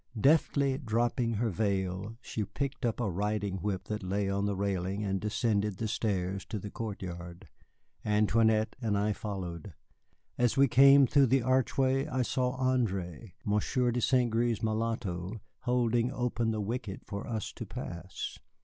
Deftly dropping her veil, she picked up a riding whip that lay on the railing and descended the stairs to the courtyard. Antoinette and I followed. As we came through the archway I saw André, Monsieur de St. Gré's mulatto, holding open the wicket for us to pass.